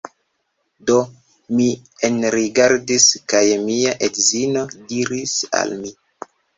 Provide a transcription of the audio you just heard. Do, mi enrigardis kaj mia edzino diris al mi